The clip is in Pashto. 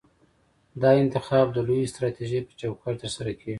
دا انتخاب د لویې سټراټیژۍ په چوکاټ کې ترسره کیږي.